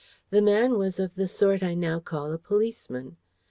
The man was of the sort I now call a policeman.